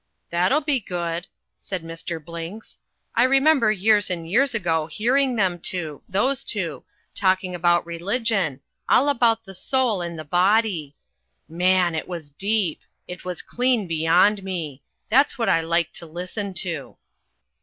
"That'll be good," said Mr. Blinks. "I remember years and years ago hearing them two those two, talking about religion, all about the soul and the body. Man! It was deep. It was clean beyond me. That's what I like to listen to."